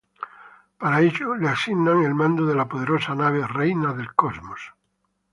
Para ello le asignan el mando de la poderosa nave ""Reina del Cosmos"".